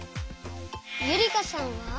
ゆりかさんは？